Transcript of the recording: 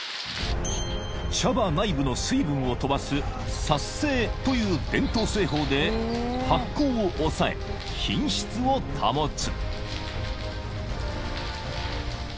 ［茶葉内部の水分を飛ばす殺青という伝統製法で発酵を抑え品質を保つ］